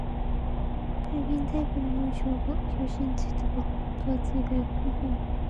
例えば、銀細工の紋章が表紙に付いた分厚い外国の本